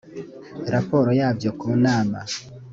raporo yabyo ku nama